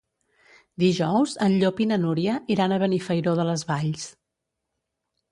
Dijous en Llop i na Núria iran a Benifairó de les Valls.